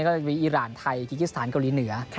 ก็จะมีอิราณไทยจิกิสถานเกาหลีเหนือ